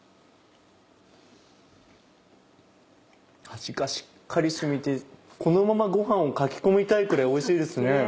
味がしっかり染みてこのままご飯をかき込みたいくらいおいしいですね。